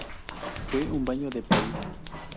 Fue un baño de país".